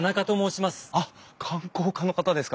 あっ観光課の方ですか。